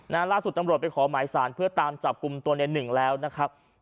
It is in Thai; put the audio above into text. ล่าสุดตำรวจไปขอหมายสารเพื่อตามจับกลุ่มตัวในหนึ่งแล้วนะครับ